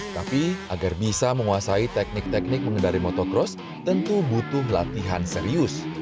tapi agar bisa menguasai teknik teknik mengendari motocross tentu butuh latihan serius